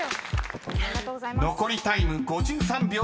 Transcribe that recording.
［残りタイム５３秒６７］